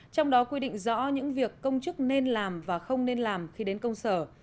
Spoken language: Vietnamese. trong đó quy định rõ những việc công chức nên làm và không nên làm khi đến công sở